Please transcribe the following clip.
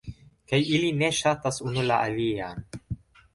kaj ili ne ŝatas unu la alian